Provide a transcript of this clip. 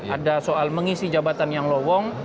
ada soal mengisi jabatan yang lowong